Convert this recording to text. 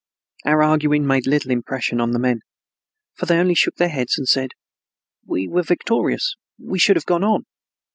Our arguing made little impression on the men; for they only shook their heads and said, "We were victorious, we should have gone on."